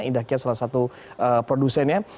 indahkiat salah satu produsennya